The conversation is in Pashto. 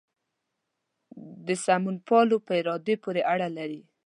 د سمونپالو په ارادې پورې اړه لري.